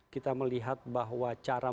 kita melihat bahwa cara